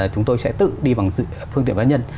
chúng tôi sẽ tự đi bằng phương tiện cá nhân